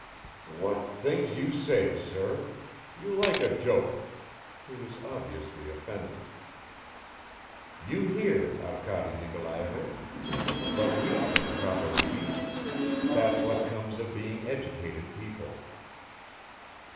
"What things you say, sir. You like a joke." He was obviously offended. "You hear, Arkady Nikolayevich. But we've been properly beaten that's what comes of being educated people."